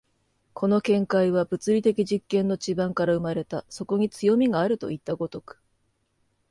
この見解は物理的実験の地盤から生まれた、そこに強味があるといった如く。